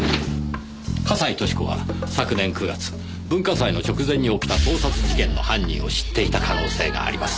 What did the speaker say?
笠井俊子は昨年９月文化祭の直前に起きた盗撮事件の犯人を知っていた可能性があります。